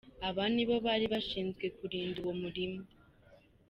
Aba nibo bari bashinzwe kurinda uwo murima.